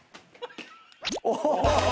お！